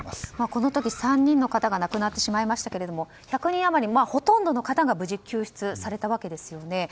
この時３人の方が亡くなりましたがほとんどの方が無事救出されたわけですよね。